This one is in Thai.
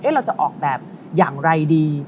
เราจะออกแบบอย่างไรดี